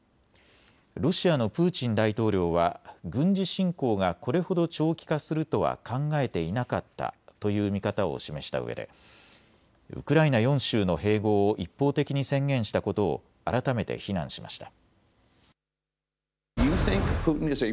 ロシアのプーチン大統領は軍事侵攻がこれほど長期化するとは考えていなかったという見方を示したうえでウクライナ４州の併合を一方的に宣言したことを改めて非難しました。